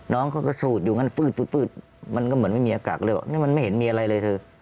น้องเขาก็สูดอยู่งั้นฟืดมันก็เหมือนไม่มีอากาศเลยบอกนี่มันไม่เห็นมีอะไรเลยเธอ